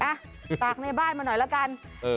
อ่ะฝากในบ้านมาหน่อยละกันเออ